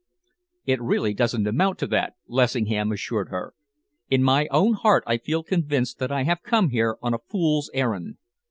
"It really doesn't amount to that," Lessingham assured her. "In my own heart I feel convinced that I have come here on a fool's errand.